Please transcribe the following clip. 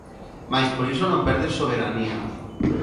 Mais por iso non perdes soberanía.